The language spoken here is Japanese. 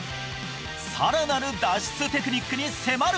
さらなる脱出テクニックに迫る